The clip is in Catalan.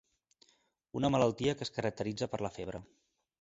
Una malaltia que es caracteritza per la febre.